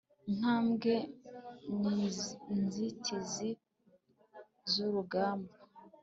intambwe n'inzitizi z'urugamba